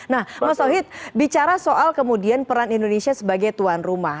nah mas tauhid bicara soal kemudian peran indonesia sebagai tuan rumah